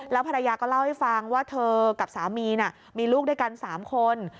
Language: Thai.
ภรรยาก็เล่าให้ฟังว่าเธอกับสามีมีลูกด้วยกัน๓คน